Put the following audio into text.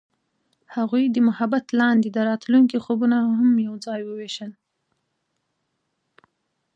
هغوی د محبت لاندې د راتلونکي خوبونه یوځای هم وویشل.